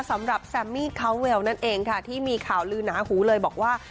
แซมมี่เขาเวลนั่นเองค่ะที่มีข่าวลือหนาหูเลยบอกว่า